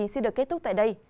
sẽ được kết thúc tại đây